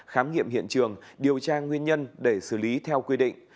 khám nghiệm hiện trường điều tra nguyên nhân để xử lý theo quy định